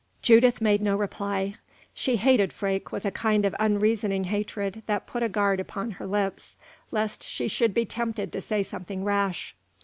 Judith made no reply. She hated Freke with a kind of unreasoning hatred that put a guard upon her lips, lest she should be tempted to say something rash.